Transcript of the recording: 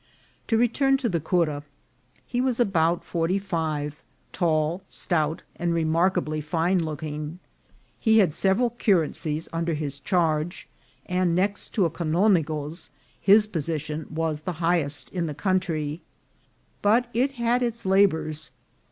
To return to the cura : he was about forty five, tall, stout, and remarkably fine looking ; he had several cu racies under his charge, and next to a canonigo's, his position was the highest in the country ; but it had its labours.